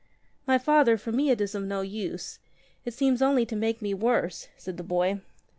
"My Father, for me it is of no use. It seems only to make me worse," said the boy.